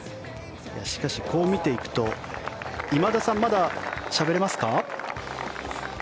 しかし、こう見ていくと今田さん、まだしゃべれますか？